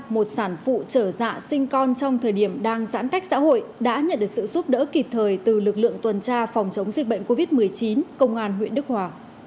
một sản phụ trở dạ sinh con trong thời điểm đang giãn cách xã hội đã nhận được sự giúp đỡ kịp thời từ lực lượng tuần tra phòng chống dịch bệnh covid một mươi chín công an huyện đức hòa